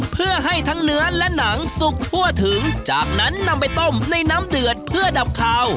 เพื่อให้ทั้งเนื้อและหนังสุกทั่วถึงจากนั้นนำไปต้มในน้ำเดือดเพื่อดับคาว